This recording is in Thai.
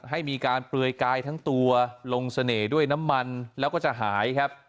ให้มีการเปลือยกายทั้งตัวลงเสน่ห์ด้วยน้ำมันแล้วก็จะหายครับ